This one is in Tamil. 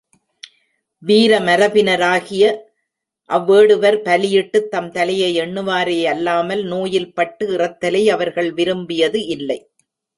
வீர மரபினராகிய அவ்வேடுவர் பலி இட்டுத் தம் தலையை எண்ணுவரேயல்லாமல் நோயில் பட்டு இறத்தலை அவர்கள் விரும்பியது இல்லை.